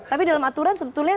tapi dalam aturan sebetulnya